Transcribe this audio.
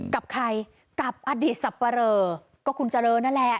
กับใครกับอดีตสับปะเรอก็คุณเจริญนั่นแหละ